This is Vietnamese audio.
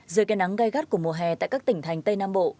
dưới cây nắng gai gắt của mùa hè tại các tỉnh thành tây nam bộ